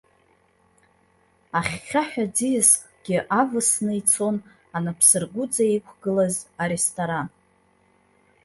Ахьхьаҳәа ӡиаскгьы авысны ицон анапсыргәыҵа иқәгылаз аресторан.